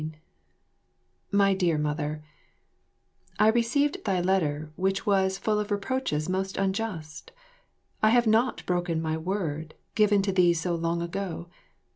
16 My Dear Mother, I received thy letter which was full of reproaches most unjust. I have not broken my word, given to thee so long ago.